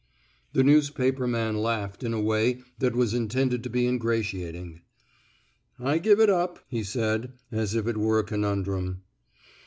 The newspaper man laughed in a way that was intended to be ingratiating. I give it up," he said, as if it were a conundrum.